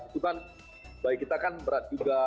itu kan bayi kita kan berat juga